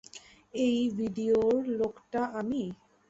এই ভিডিওর লোকটা, আমি?